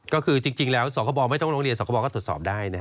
ก็คือจริงแล้วสคบไม่ต้องร้องเรียนสคบก็ตรวจสอบได้